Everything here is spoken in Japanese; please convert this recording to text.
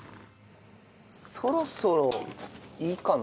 そろそろいいかな？